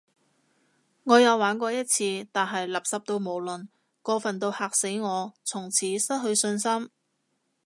我有玩過一次，但係垃圾到無倫，過份到嚇死我，從此失去信心